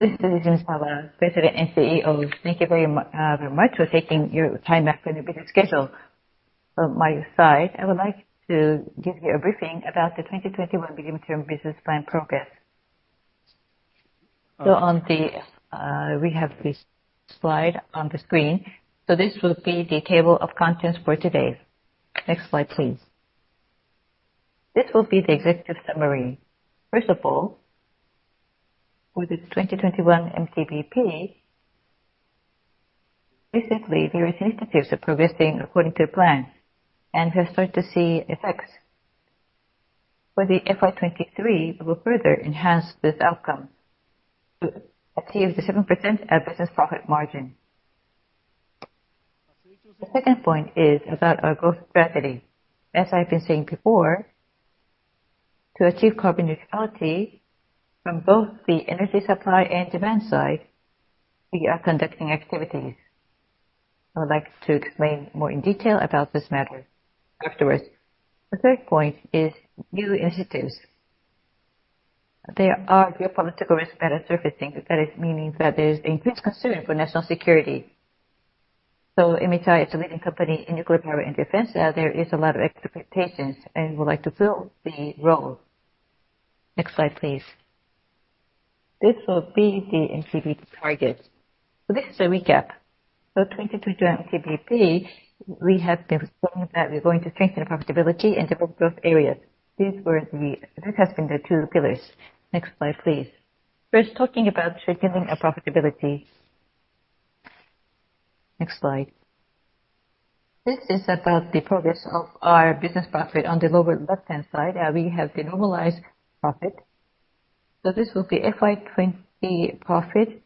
This is Seiji Izumisawa, President and CEO. Thank you very much for taking your time out from your busy schedule. From my side, I would like to give you a briefing about the 2021 medium-term business plan progress. On the, we have this slide on the screen. This will be the table of contents for today. Next slide, please. This will be the executive summary. First of all, with the 2021 MTBP, recently, various initiatives are progressing according to plan, and we have started to see effects. For the FY 23, we will further enhance this outcome to achieve the 7% business profit margin. The second point is about our growth strategy. As I've been saying before, to achieve carbon neutrality from both the energy supply and demand side, we are conducting activities. I would like to explain more in detail about this matter afterwards. The third point is new initiatives. There are geopolitical risks that are surfacing. That is meaning that there's increased concern for national security. MHI is a leading company in nuclear power and defense. There is a lot of expectations, we would like to fill the role. Next slide, please. This will be the MTBP targets. This is a recap. 2022 MTBP, we have been saying that we're going to strengthen profitability and develop growth areas. This has been the two pillars. Next slide, please. First, talking about strengthening our profitability. Next slide. This is about the progress of our business profit. On the lower left-hand side, we have the normalized profit. This will be FY 2020 profit.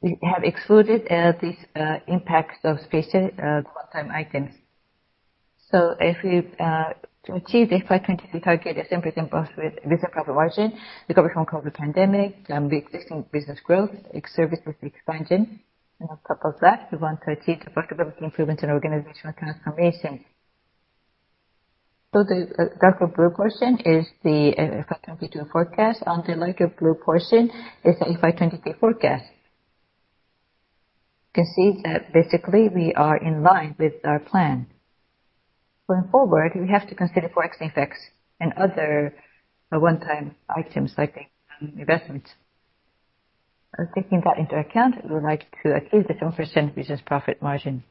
We have excluded, these, impacts of special, one-time items. If we to achieve the FY 2023 target of 7% business profit margin, recovery from COVID pandemic, the existing business growth, service with expansion. On top of that, we want to achieve profitability improvement and organizational transformation. The darker blue portion is the FY 2022 forecast, and the lighter blue portion is the FY 2023 forecast. You can see that basically we are in line with our plan. Going forward, we have to consider FX effects and other one-time items like investments. Taking that into account, we would like to achieve the 10% business profit margin.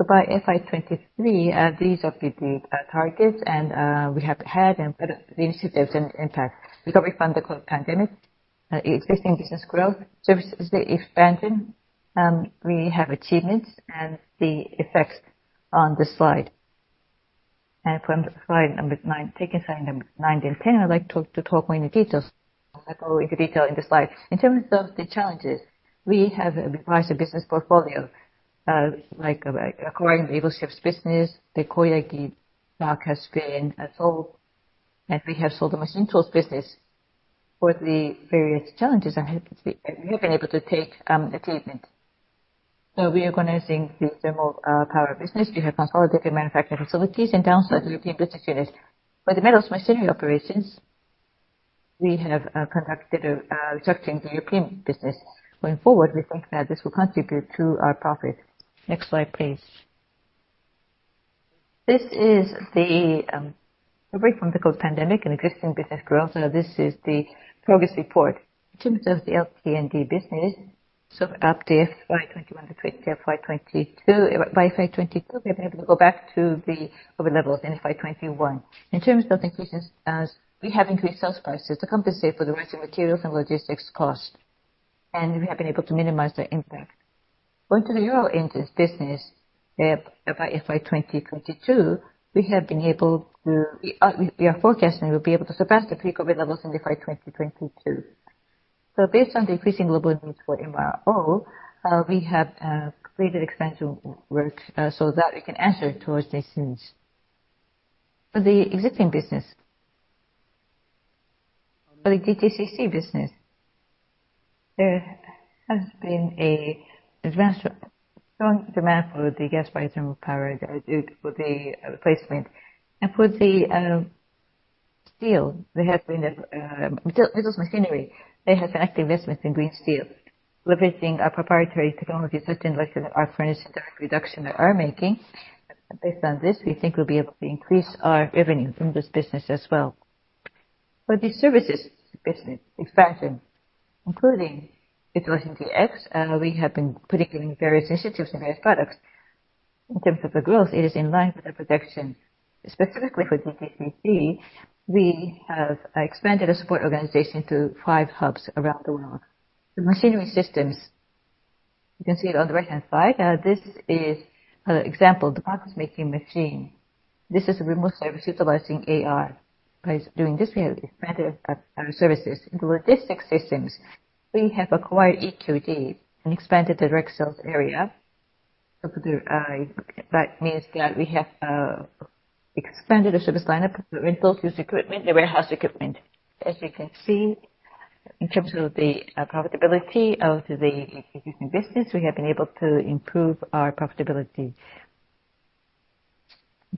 Next slide, please. By FY 2023, these will be the targets, and we have had the initiatives and impact. Recovery from the COVID pandemic, existing business growth, services expansion. We have achievements and the effects on this slide. From slide number nine taking slide number nine and ten, I'd like to talk more in the details. I'll go into detail in the slide. In terms of the challenges, we have revised the business portfolio, like acquiring the naval ships business, the Koyagi has been sold, and we have sold the machine tools business. For the various challenges, we have been able to take achievement. Reorganizing the thermal power business, we have consolidated manufacturing facilities and downside European business units. For the metals machinery operations, we have conducted a restructuring the European business. Going forward, we think that this will contribute to our profit. Next slide, please. This is the recovery from the COVID pandemic and existing business growth. This is the progress report. In terms of the LT&D business, up to FY 21 to FY 22. By FY 22, we have been able to go back to the pre-COVID levels in FY 21. In terms of increases, we have increased sales prices to compensate for the rising materials and logistics costs, and we have been able to minimize the impact. Going to the aero engines business, by FY 2022, we are forecasting we'll be able to surpass the pre-COVID levels in FY 2022. Based on the increasing global needs for MRO, we have created expansion work, so that we can answer to our stations. For the existing business, for the GTCC business, there has been a advancement. Strong demand for the gas-fired thermal power, due to the replacement. For the steel, there have been metals machinery. There has been active investments in green steel, leveraging our proprietary technology system, like our furnace direct reduction that we are making. Based on this, we think we'll be able to increase our revenue from this business as well. For the services business expansion, including Digital NTX, we have been putting in various initiatives in various products. In terms of the growth, it is in line with the projection. Specifically for GTCC, we have expanded the support organization to five hubs around the world. The machinery systems, you can see it on the right-hand side. This is an example, the package making machine. This is a remote service utilizing AR. By doing this, we have expanded our services. Logistics systems, we have acquired EQD and expanded the direct sales area. There. That means that we have expanded the service line-up, the rentals equipment, the warehouse equipment. As you can see, in terms of the profitability of the existing business, we have been able to improve our profitability.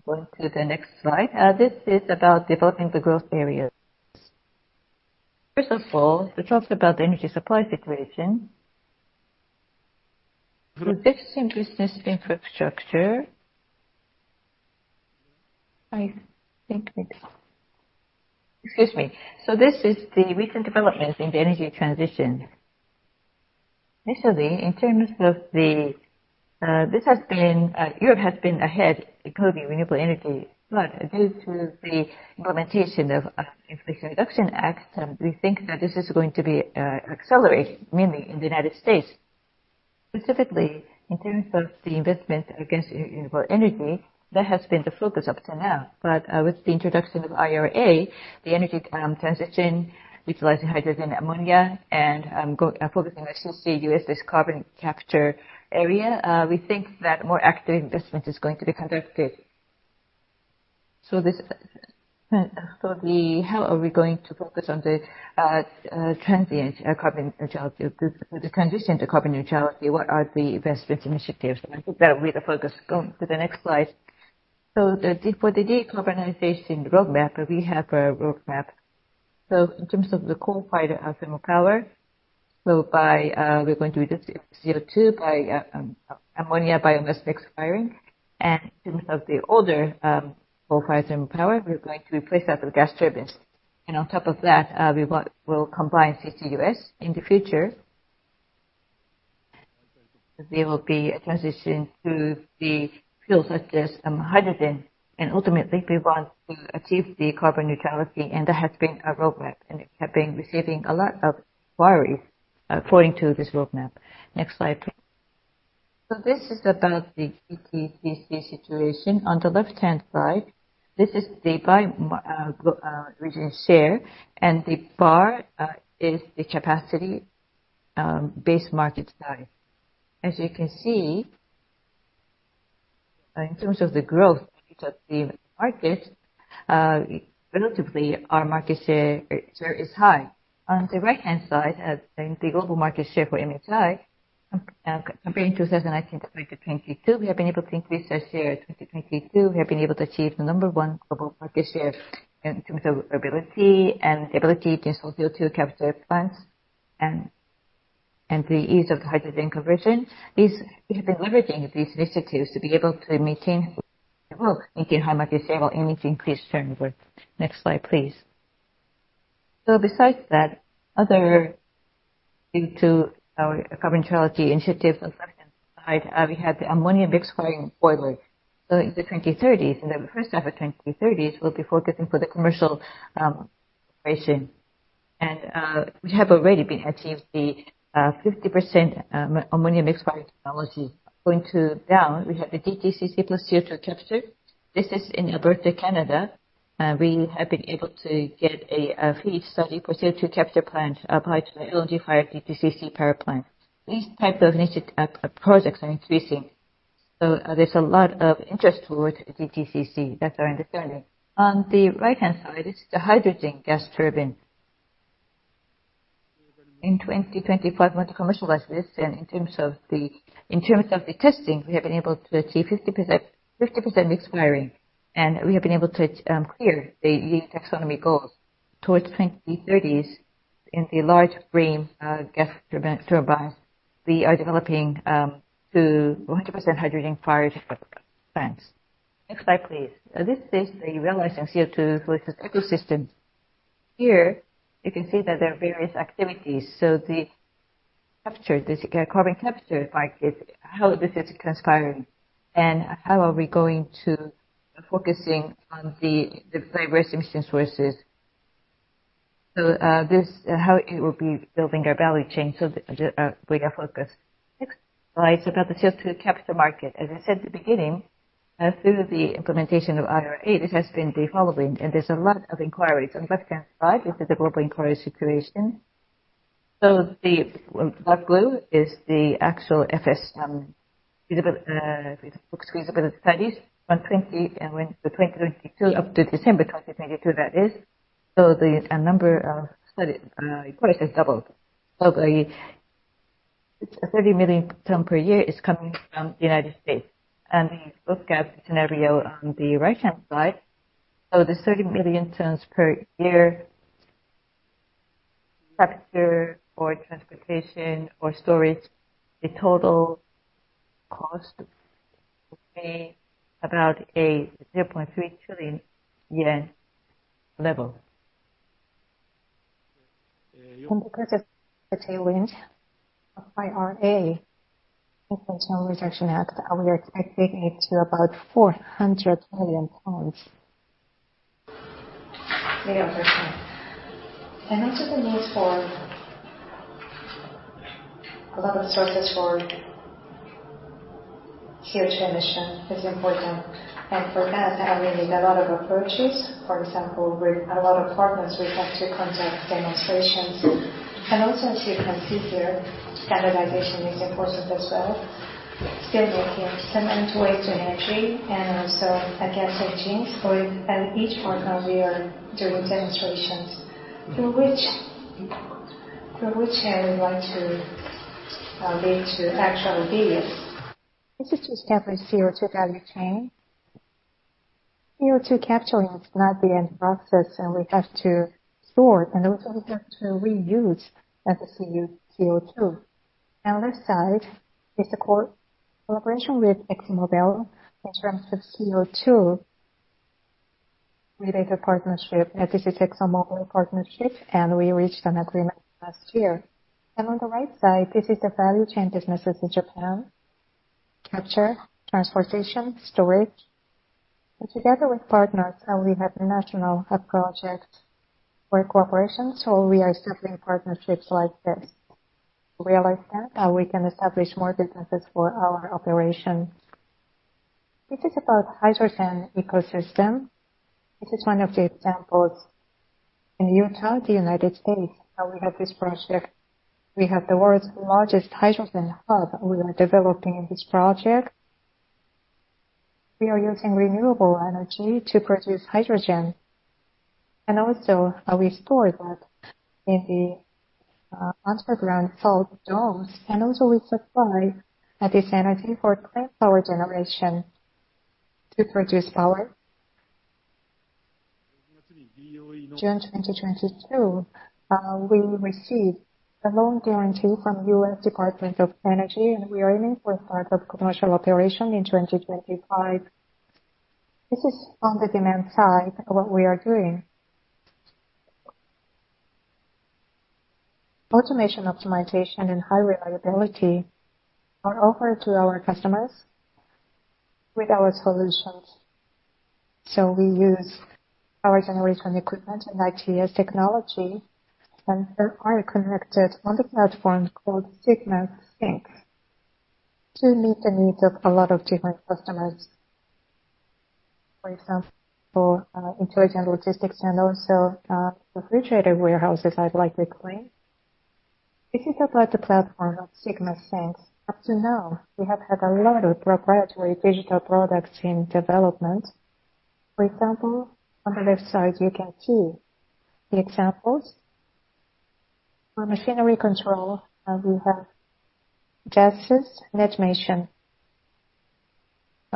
Going to the next slide. This is about developing the growth areas. First of all, we talked about the energy supply situation. With this increased infrastructure. Excuse me. This is the recent developments in the energy transition. Initially, in terms of the... This has been... Europe has been ahead including renewable energy, but due to the implementation of Inflation Reduction Act, we think that this is going to be accelerated, mainly in the United States. Specifically, in terms of the investment against renewable energy, that has been the focus up to now. With the introduction of IRA, the energy transition utilizing hydrogen ammonia and focusing on CCUS as carbon capture area, we think that more active investment is going to be conducted. How are we going to focus on the carbon neutrality? The transition to carbon neutrality, what are the investment initiatives? I think that will be the focus going to the next slide. For the decarbonization roadmap, we have a roadmap. In terms of the coal-fired thermal power, we're going to reduce CO2 by ammonia biomass mixed firing. In terms of the older coal-fired thermal power, we're going to replace that with gas turbines. On top of that, we'll combine CCUS in the future. There will be a transition to the fuels such as hydrogen, ultimately we want to achieve the carbon neutrality. That has been our roadmap. We have been receiving a lot of inquiry according to this roadmap. Next slide, please. This is about the GTCC situation. On the left-hand side, this is the by region share, and the bar is the capacity base market size. As you can see, in terms of the growth of the market, relatively our market share is high. On the right-hand side, in the global market share for MHI, comparing 2019 to 2022, we have been able to increase our share. In 2022, we have been able to achieve the number one global market share in terms of durability and the ability to install CO2 capture plants and the ease of hydrogen conversion. We have been leveraging these initiatives to be able to maintain high market share while aiming to increase turnover. Next slide, please. Besides that, due to our carbon neutrality initiatives, on the left-hand side, we have the ammonia mixed firing boiler. In the 2030s, in the first half of 2030s, we'll be focusing for the commercial operation. We have already been achieved the 50% ammonia mixed firing technology. Going to down, we have the GTCC plus CO2 capture. This is in Alberta, Canada. We have been able to get a feed study for CO2 capture plant applied to the LNG-fired GTCC power plant. These types of projects are increasing, so there's a lot of interest towards GTCC that are understanding. On the right-hand side is the hydrogen gas turbine. In 2025, want to commercialize this, and in terms of the testing, we have been able to achieve 50% mixed firing, and we have been able to clear the EU Taxonomy goals. Towards 2030s, in the large frame gas turbines, we are developing to 100% hydrogen-fired plants. Next slide, please. This is the realizing CO2 ecosystem. Here you can see that there are various activities. The capture, the carbon capture part is how this is transpiring and how are we going to focusing on the diverse emission sources. How it will be building our value chain, be our focus. Next slide's about the CO2 capture market. As I said at the beginning, through the implementation of IRA, this has been the following, and there's a lot of inquiries. On left-hand side, this is the global inquiry situation. The dark blue is the actual FSM books feasibility studies from 2022 up to December 2022, that is. The number of study inquiries has doubled. Of the 30 million ton per year is coming from the United States. The scope gaps scenario on the right-hand side. The 30 million tons per year capture or transportation or storage, the total cost will be about a JPY 0.3 trillion level. Because of the tailwind of IRA, Inflation Reduction Act, we are expecting it to about 400 million tons. Also the need for a lot of sources for CO2 emission is important. For that, we need a lot of approaches. For example, with a lot of partners, we have to conduct demonstrations. Also as you can see here, standardization is important as well. Still working. Some end-to-end chain entry and also a gas engines for... At each partner we are doing demonstrations. Through which I would like to lead to actual business. This is just simply CO2 value chain. CO2 capturing is not the end process, and we have to store and also we have to reuse that CO2. On this side is a collaboration with ExxonMobil in terms of CO2 related partnership. This is ExxonMobil partnership, and we reached an agreement last year. On the right side, this is the value chain businesses in Japan. Capture, transportation, storage. Together with partners, we have national hub project for cooperation. We are circling partnerships like this. To realize that we can establish more businesses for our operations. This is about hydrogen ecosystem. This is one of the examples. In Utah, the United States, we have this project. We have the world's largest hydrogen hub we are developing in this project. We are using renewable energy to produce hydrogen, and also, we store that in the underground salt domes. We supply this energy for clean power generation to produce power. June 2022, we will receive a loan guarantee from U.S. Department of Energy, and we are aiming for start of commercial operation in 2025. This is on the demand side of what we are doing. Automation, optimization, and high reliability are offered to our customers with our solutions. We use power generation equipment and IGS technology, and they are connected on the platform called ΣSynX to meet the needs of a lot of different customers. For example, intelligent logistics and also, refrigerated warehouses, I'd like to claim. This is about the platform of ΣSynX. Up to now, we have had a lot of proprietary digital products in development. For example, on the left side you can see the examples. For machinery control, we have DIASYS Netmation.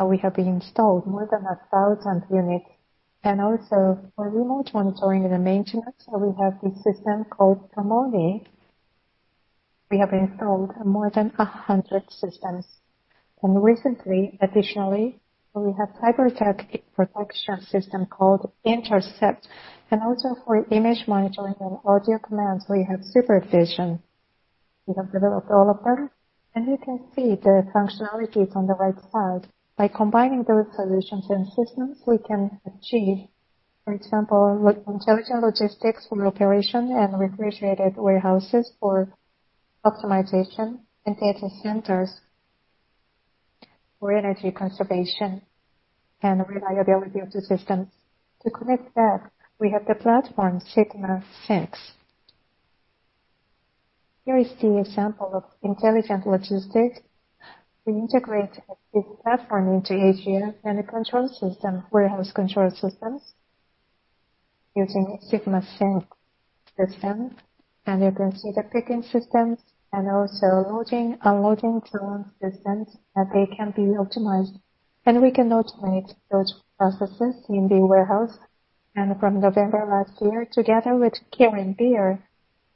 We have installed more than 1,000 units. For remote monitoring and maintenance, we have this system called TOMONI. We have installed more than 100 systems. We have cyberattack protection system called Intersept, and also for image monitoring and audio commands, we have Supervision. We have developed all of them, and you can see the functionalities on the right side. By combining those solutions and systems, we can achieve, for example, with intelligent logistics for operation and refrigerated warehouses for optimization and data centers for energy conservation and reliability of the systems. To connect that, we have the platform ΣSynX. Here is the example of intelligent logistics. We integrate this platform into ATS and the control system, warehouse control systems using ΣSynX system. You can see the picking systems and also loading, unloading drone systems, that they can be optimized. We can automate those processes in the warehouse. From November last year, together with Kirin Beverage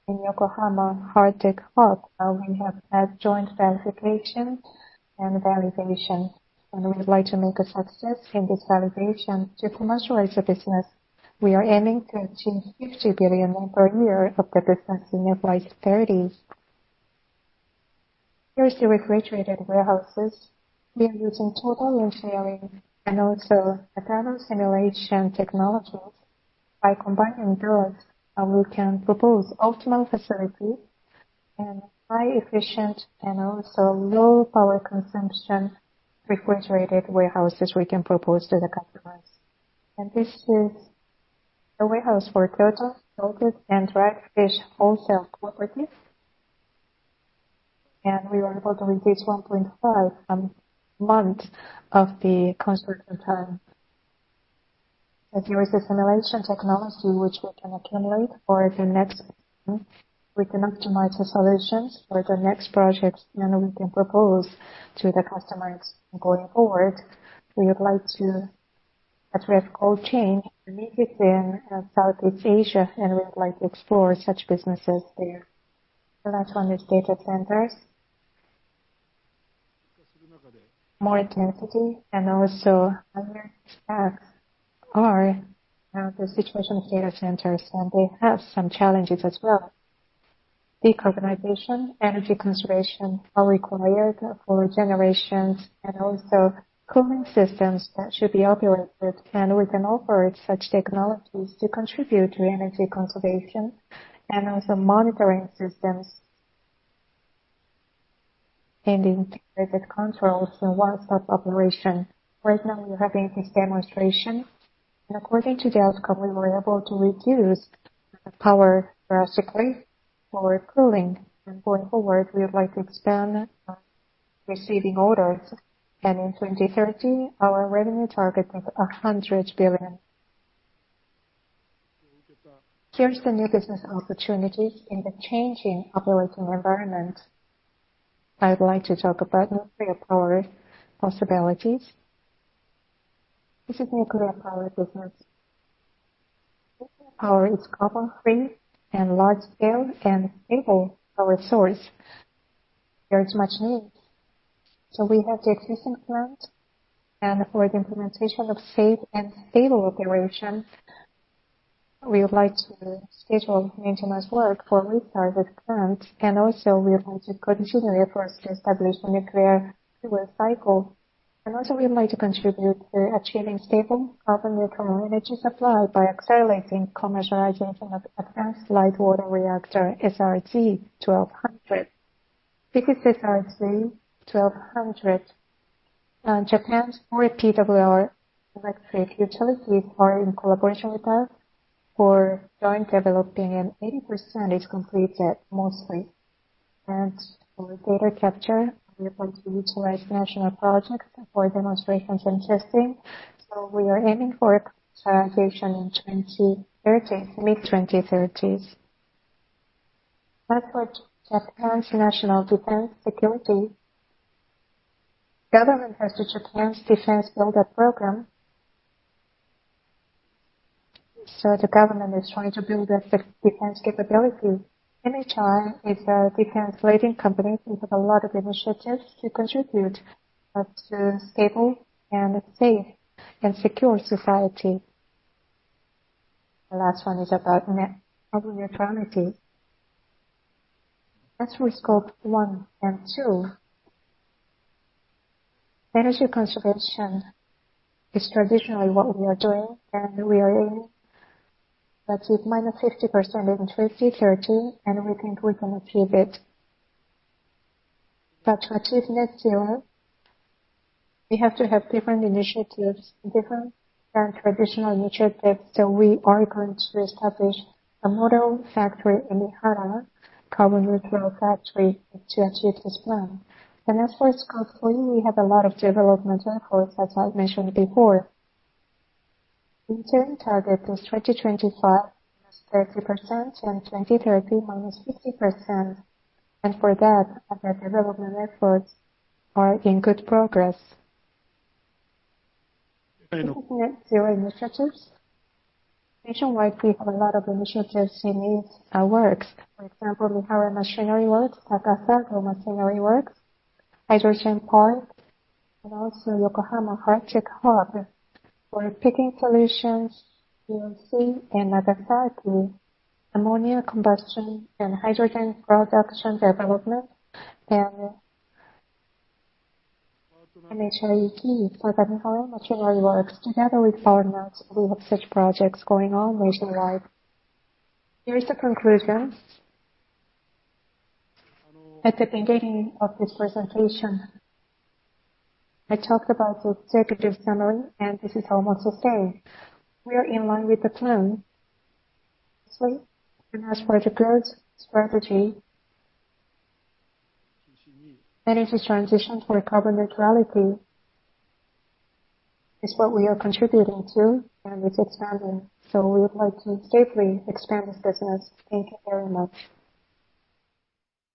in Yokohama Hardtech Hub, we have had joint verification and validation, and we would like to make a success in this validation to commercialize the business. We are aiming to achieve 50 billion per year of the business in the late thirties. Here is the refrigerated warehouses. We are using total engineering and also digital simulation technologies. By combining those, we can propose optimal facility and high efficient and also low power consumption refrigerated warehouses we can propose to the customers. This is a warehouse for Kyoto Frozen and Dried Fish Wholesale Cooperative. We were able to reduce 1.5 a month of the construction time. As it was a simulation technology which we can accumulate for the next, we can optimize the solutions for the next project, and we can propose to the customers going forward. We would like to address cold chain need within Southeast Asia, and we would like to explore such businesses there. The last one is data centers. More density and also understaffed are the situation of data centers, and they have some challenges as well. Decarbonization, energy conservation are required for generations, and also cooling systems that should be operated. We can offer such technologies to contribute to energy conservation and also monitoring systems and the integrated controls for one-stop operation. Right now we are having this demonstration, and according to the outcome, we were able to reduce the power drastically for cooling. Going forward, we would like to expand receiving orders. In 2030, our revenue target is 100 billion. Here's the new business opportunities in the changing operating environment. I would like to talk about nuclear power possibilities. This is nuclear power business. Nuclear power is carbon-free and large-scale and stable power source. There is much need. We have the existing plant, and for the implementation of safe and stable operation, we would like to schedule maintenance work for restarted plants. Also we are going to continue the efforts to establish the nuclear fuel cycle. Also we would like to contribute to achieving stable carbon neutral energy supply by accelerating commercialization of advanced light water reactor SRZ-1200. Because SRZ-1200, Japan's 4 PWR electric utilities are in collaboration with us for joint developing and 80% is completed mostly. For data capture, we are going to utilize national projects for demonstrations and testing. We are aiming for commercialization in the 2030s, mid-2030s. As for Japan's national defense security, government has the Japan's Defense Buildup Program. The government is trying to build a defense capability. MHI is a defense leading company. We have a lot of initiatives to contribute to stable and safe and secure society. The last one is about net zero neutrality. As for Scope 1 and 2, energy conservation is traditionally what we are doing, and we are aiming that with minus 50% in 2030, and we think we can achieve it. To achieve net zero, we have to have different initiatives, different than traditional initiatives. We are going to establish a model factory in Mihara, carbon neutral factory to achieve this plan. As for Scope 3, we have a lot of development efforts, as I mentioned before. Interim target is 2025, minus 30%, and 2030, minus 50%. For that, our development efforts are in good progress. Net zero initiatives. Nationwide, we have a lot of initiatives in these works. For example, Mihara Machinery Works, Takasago Machinery Works, Hydrogen Port, and also Yokohama Hardtech Hub. We're picking solutions, BOC and Nagasaki, ammonia combustion and hydrogen production development, and MHI Key for the Mihara Machinery Works. Together with partners, we have such projects going on nationwide. Here is the conclusion. At the beginning of this presentation, I talked about the executive summary, and this is how I want to say. We are in line with the plan. As for the growth strategy, energy transition for carbon neutrality is what we are contributing to and it's expanding. We would like to safely expand this business. Thank you very much.